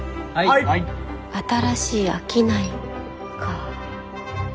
「新しい商い」か。